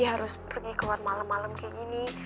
harus pergi keluar malam malam kayak gini